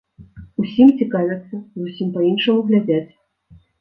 Усім цікавяцца, зусім па-іншаму глядзяць.